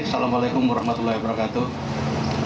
wassalamualaikum warahmatullahi wabarakatuh